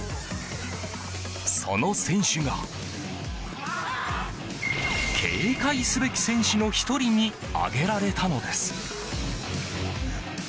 その選手が警戒すべき選手の１人に挙げられたのです。